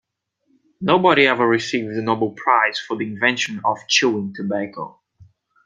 Nobody ever received the Nobel prize for the invention of chewing tobacco.